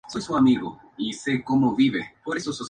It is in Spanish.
El camino central está bordeado de palmeras de diversas clases.